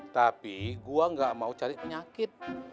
tapi gue gak mau cari penyakit